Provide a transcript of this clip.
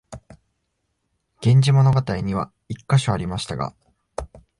「源氏物語」には一カ所ありましたが、